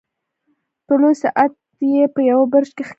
یو لوی ساعت یې په یوه برج کې ښکاري.